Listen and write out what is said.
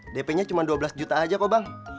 dp nya cuma dua belas juta aja kok bang